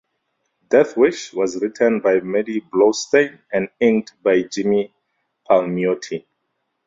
"Deathwish" was written by Maddie Blaustein and inked by Jimmy Palmiotti.